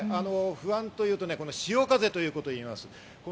不安というと潮風ということをいいます。